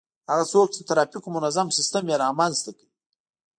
هغه څوک چي د ترافیکو منظم سیستم يې رامنځته کړ